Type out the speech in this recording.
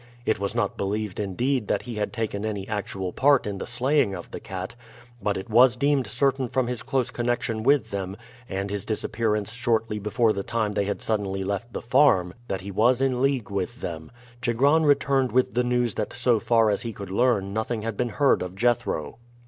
It was not believed indeed that he had taken any actual part in the slaying of the cat, but it was deemed certain from his close connection with them, and his disappearance shortly before the time they had suddenly left the farm, that he was in league with them. Chigron returned with the news that so far as he could learn nothing had been heard of Jethro.